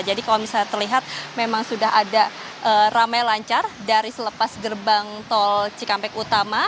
jadi kalau misalnya terlihat memang sudah ada ramai lancar dari selepas gerbang tol cikampek utama